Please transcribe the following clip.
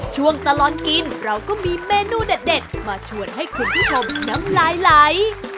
ช่วงตลอดกินเราก็มีเมนูเด็ดมาชวนให้คุณผู้ชมน้ำลายไหล